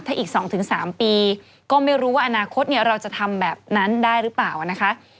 อีก๒๓ปีก็ไม่รู้ว่าอนาคตเราจะทำแบบนั้นได้หรือเปล่านะคะ